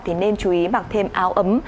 thì nên chú ý bằng thêm áo ấm